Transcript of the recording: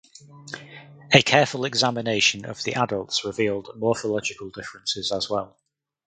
A careful examination of the adults revealed morphological differences as well.